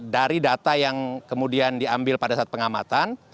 dari data yang kemudian diambil pada saat pengamatan